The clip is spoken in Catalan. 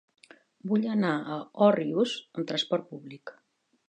Vull anar a Òrrius amb trasport públic.